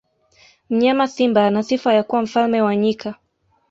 mnyama simba ana sifa ya kuwa mfalme wa nyika